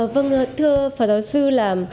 vâng thưa phó giáo sư là